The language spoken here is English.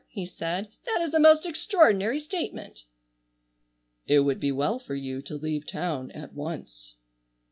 he said. "That is a most extraordinary statement!" "It would be well for you to leave town at once."